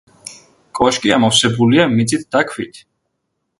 კოშკი ამოვსებულია მიწით და ქვით.